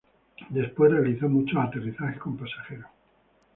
Luego realizó muchos aterrizajes con pasajeros.